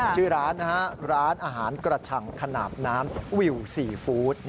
ชื่อร้านนะฮะร้านอาหารกระชังขนาดน้ำวิวซีฟู้ด